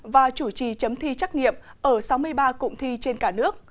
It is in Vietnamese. và chủ trì chấm thi trắc nghiệm ở sáu mươi ba cụm thi trên cả nước